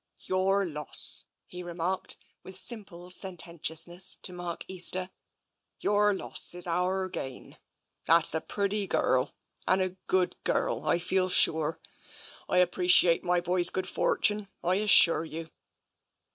" Yourr loss," he remarked, with simple sententious ness, to Mark Easter, " your loss is ourr gain. That's a pretty gurrel and a good gurrel, I feel sure. I appre ciate my boy's good fortune, I assure you."